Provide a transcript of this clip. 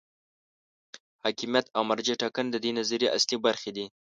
حاکمیت او مرجع ټاکنه د دې نظریې اصلي برخې دي.